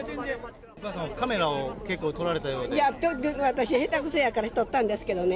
お母様、いや、私、下手くそやから撮ったんですけどね。